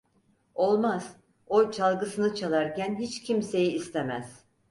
Olmaz, o çalgısını çalarken hiç kimseyi istemez…